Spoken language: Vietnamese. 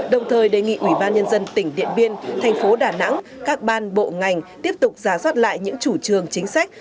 đồng thời đề nghị ủy ban nhân dân tỉnh điện biên thành phố đà nẵng các ban bộ ngành tiếp tục giả soát lại những chủ trương chính sách